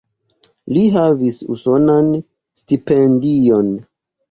Li havis usonan stipendion.